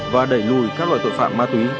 và đẩy lùi các loại tội phạm ma túy